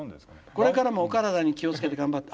「これからもお体に気を付けて頑張って」。